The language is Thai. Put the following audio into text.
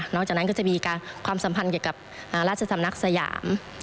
หลังจากนั้นก็จะมีการความสัมพันธ์เกี่ยวกับราชสำนักสยาม